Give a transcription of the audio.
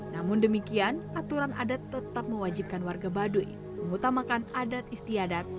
namun demikian aturan adat tetap mewajibkan warga baduy mengutamakan adat istiadat